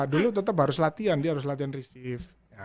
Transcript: dulu tetap harus latihan dia harus latihan receive